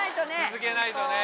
続けないとね。